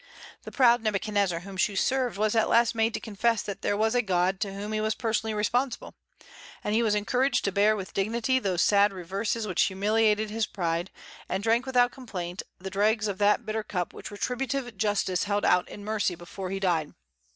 The proud Nebuchadnezzar whom she served was at last made to confess that there was a God to whom he was personally responsible; and he was encouraged to bear with dignity those sad reverses which humiliated his pride, and drank without complaint the dregs of that bitter cup which retributive justice held out in mercy before he died.